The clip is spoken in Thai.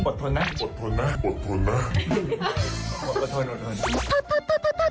โอ้โฮโอ้โฮโอ้โฮโอ้โฮโอ้โฮ